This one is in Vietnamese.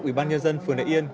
ủy ban nhân dân phường đại yên